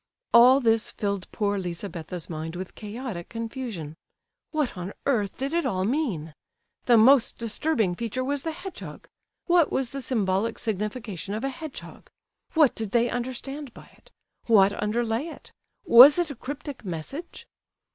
All this filled poor Lizabetha's mind with chaotic confusion. What on earth did it all mean? The most disturbing feature was the hedgehog. What was the symbolic signification of a hedgehog? What did they understand by it? What underlay it? Was it a cryptic message?